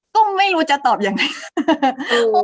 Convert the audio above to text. ตุ้มไม่รู้จะตอบยังไง